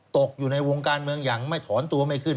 ตกอยู่ในวงการเมืองอย่างไม่ถอนตัวไม่ขึ้น